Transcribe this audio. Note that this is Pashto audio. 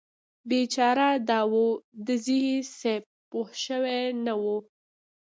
بیچاره داوودزی صیب پوه شوي نه و.